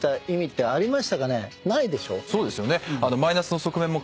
そうですよね。